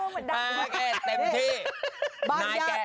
โยนเลยเต็มที่